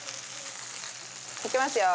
いきますよ。